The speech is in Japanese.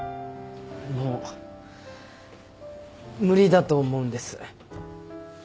もう無理だと思うんです。